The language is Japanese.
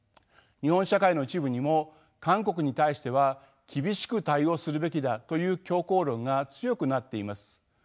日本社会の一部にも韓国に対しては厳しく対応するべきだという強硬論が強くなっています。